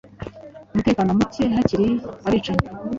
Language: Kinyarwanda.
umutekano mucye hakiri abicanyi